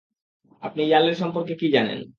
আপনি ইয়ালের সম্পর্কে কী জানেন?